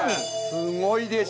すごいでしょう？